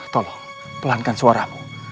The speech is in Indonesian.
tolong pelankan suaramu